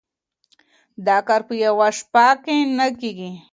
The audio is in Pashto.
دا کار په يوه شپه کي نه کيږي.